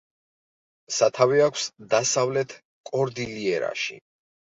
სათავე აქვს დასავლეთ კორდილიერაში.